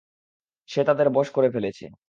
সে তাদের বঁশ করে ফেলেছে।